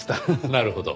なるほど。